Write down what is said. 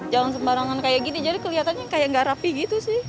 jalan sembarangan kayak gini jadi kelihatannya kayak gak rapi gitu sih